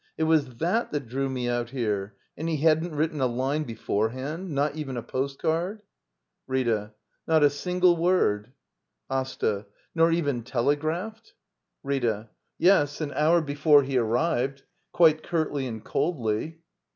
It was that thzt drew me out here! — And he hadn't written a line beforehand? Not even a post card? Rtta. Not a single word. ""^ AsTA. Nor even telegraphed? Rita. Yes, an hour before he arrived — quite curtly and coldly.